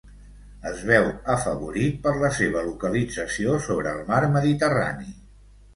Es veu afavorit per la seva localització sobre el Mar Mediterrani.